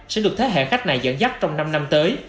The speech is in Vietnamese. sẽ được thế hệ khách này dẫn dắt trong năm năm tới